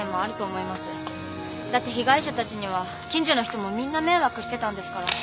だって被害者たちには近所の人もみんな迷惑してたんですから。